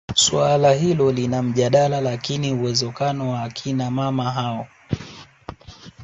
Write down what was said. Suala hilo lina mjadala lakini uwezekano wa akina mama hao